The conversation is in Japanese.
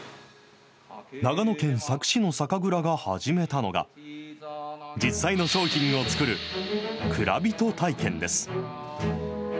長野県佐久市の酒蔵が始めたのが、実際の商品を造る、蔵人体験です。